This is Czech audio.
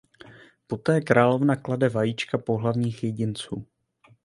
Poté královna klade vajíčka pohlavních jedinců.